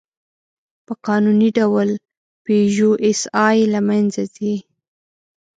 په قانوني ډول «پيژو ایسآی» له منځه ځي.